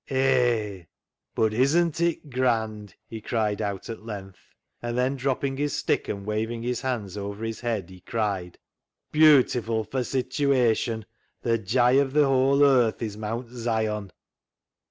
" H a y, bud isn't it grand !" he cried out at length, and then, dropping his stick and waving his hands over his head, he cried, "' Beautiful for situation, the jye of the whole earth is 36o CLOG SHOP CHRONICLES Mount Zion.'